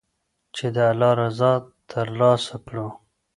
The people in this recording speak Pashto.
چې د الله رضا تر لاسه کړو.